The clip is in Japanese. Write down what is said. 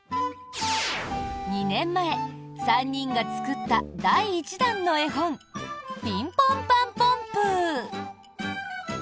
２年前３人が作った第１弾の絵本「ピンポンパンポンプー」。